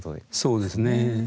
そうですね。